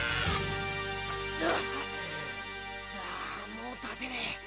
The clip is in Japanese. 「もう立てねえ」